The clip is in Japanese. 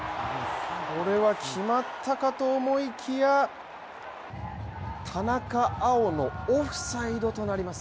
これは決まったかと思いきや、田中碧のオフサイドとなります。